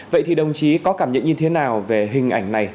vậy thì đồng chí có cảm nhận như thế nào về hình ảnh này